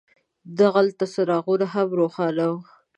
دغلته څراغونه هم روښان وو.